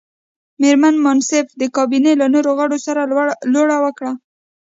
مېرمن منصف د کابینې له نورو غړو سره لوړه وکړه.